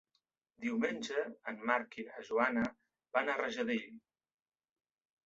Diumenge en Marc i na Joana van a Rajadell.